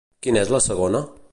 Quina és la segona?